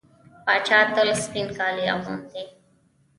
پاچا تل سپين کالي اغوندي .